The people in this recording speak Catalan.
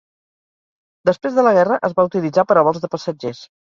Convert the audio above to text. Després de la guerra es va utilitzar per a vols de passatgers.